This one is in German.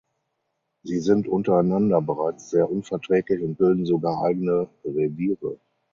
Sie sind untereinander bereits sehr unverträglich und bilden sogar eigene Reviere.